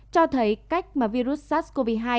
cho thấy cách mà virus sars cov hai